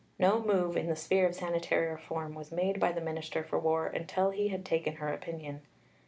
No move in the sphere of sanitary reform was made by the Minister for War until he had taken her opinion.